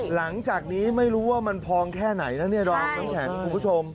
หลังจากนี้ไม่รู้ว่ามันพองแค่ไหนนะดอมคุณผู้ชม